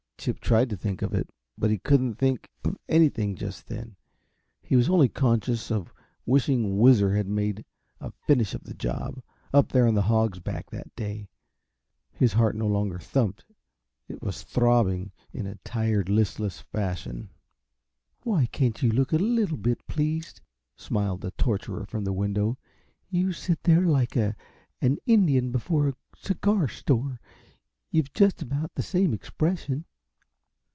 Chip tried to think of it, but he couldn't think of anything, just then. He was only conscious of wishing Whizzer had made a finish of the job, up there on the Hog's Back that day. His heart no longer thumped it was throbbing in a tired, listless fashion. "Why can't you look a little bit pleased?" smiled the torturer from the window. "You sit there like a an Indian before a cigar store. You've just about the same expression."